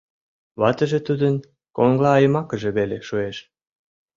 Ватыже тудын коҥлайымакыже веле шуэш.